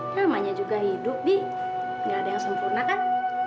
ramanya juga hidup bi nggak ada yang sempurna kan